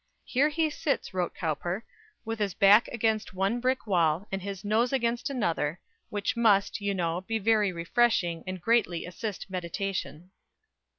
"Here he sits," wrote Cowper, "with his back against one brick wall, and his nose against another, which must, you know, be very refreshing, and greatly assist meditation."